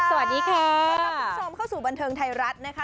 สวัสดีค่ะต้อนรับคุณผู้ชมเข้าสู่บันเทิงไทยรัฐนะคะ